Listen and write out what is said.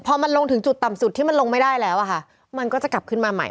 พอมันลงถึงจุดต่ำสุดที่มันลงไม่ได้แล้วอะค่ะมันก็จะกลับขึ้นมาใหม่